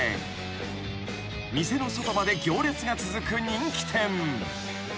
［店の外まで行列が続く人気店］